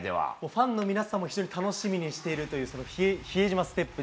ファンの皆さんも非常に楽しみにしているという、その比江島ステップ。